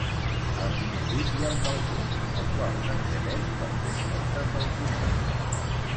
Al primer pis hi ha un balcó, al qual s'accedeix per tres portes balconeres.